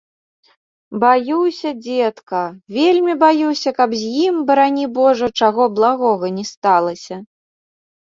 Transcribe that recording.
Баюся, дзедка, вельмі баюся, каб з ім, барані божа, чаго благога не сталася.